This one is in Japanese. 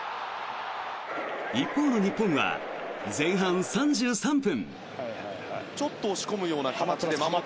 一方の日本は、前半３３分。